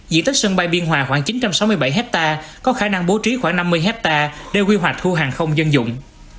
diện tích sân bay biên hòa khoảng chín trăm sáu mươi bảy hectare có khả năng bố trí khoảng năm mươi hectare để quy hoạch thu hàng không dân dụng